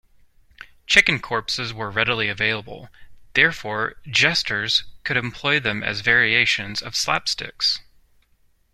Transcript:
Chicken corpses were readily available; therefore jesters could employ them as variations of slapsticks.